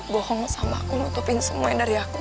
bohong sama aku menutupin semuanya dari aku